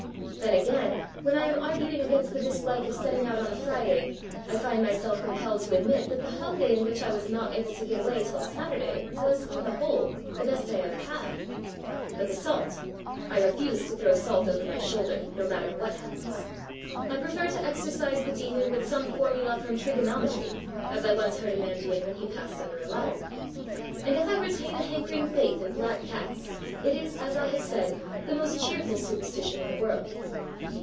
Then, again, when I am arguing against the dislike of setting out on a Friday, I find myself compelled to admit that the holiday in which I was not able to get away till Saturday was, on the whole, the best I ever had. But the salt I refuse to throw salt over my shoulder, no matter what happens. I prefer to exorcise the demon with some formula from trigonometry, as I once heard a man doing when he passed under a ladder. And if I retain a hankering faith in black cats, it is, as I have said, the most cheerful superstition in the world.